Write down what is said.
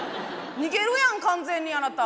逃げるやん完全にあなた。